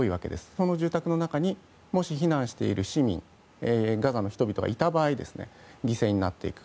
その住宅の中にもし、避難している市民ガザの人々がいた場合犠牲になっていく。